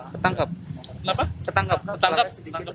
ketangkap ketangkap ketangkap